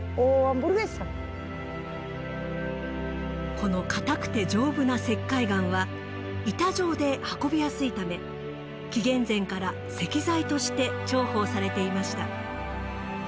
この硬くて丈夫な石灰岩は板状で運びやすいため紀元前から石材として重宝されていました。